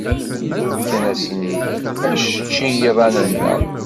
Fkan-asen acečči i yiḍan-nneɣ.